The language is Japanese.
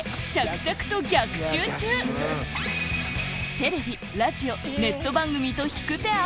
テレビラジオネット番組と引く手あ